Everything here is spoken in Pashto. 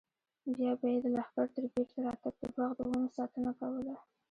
بیا به یې د لښکر تر بېرته راتګ د باغ د ونو ساتنه کوله.